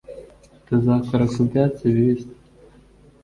tuzakora ku byatsi bibisi